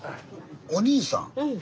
お兄さん？